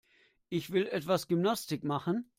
Ich will etwas Gymnastik machen.